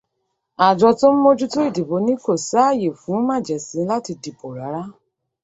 Àjọ tó ń mójútó ìdìbò ní kò sáyè fún màjèṣín láti dìbò rárá.